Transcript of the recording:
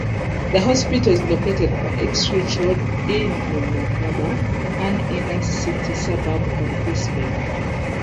The hospital is located on Ipswich Road in Woolloongabba, an inner-city suburb of Brisbane.